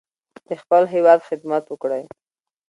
د خپل هیواد خدمت وکړئ.